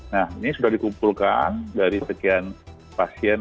nah ini sudah dikumpulkan dari sekian pasien